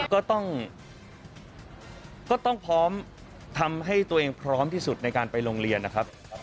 ก็ต้องพร้อมทำให้ตัวเองพร้อมที่สุดในการไปโรงเรียนนะครับ